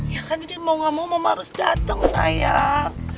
ya kan jadi mau gak mau memang harus datang sayang